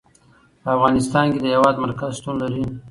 په افغانستان کې د هېواد مرکز شتون لري.